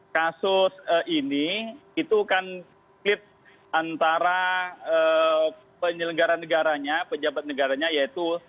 kasus ini itu kan split antara penyelenggaran negaranya penjabat negaranya yaitu